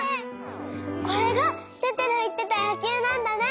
これがテテのいってた「やきゅう」なんだね！